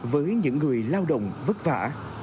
với những người lao động vất vả